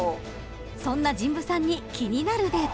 ［そんな神部さんに気になるデータ］